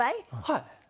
はい。